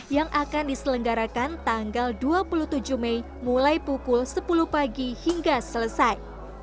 yang akan diselenggarakan tanggal dua puluh tujuh mei mulai pukul sepuluh pagi hingga selesai